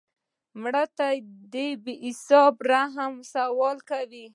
مړه ته د بې حسابه رحم سوال کوو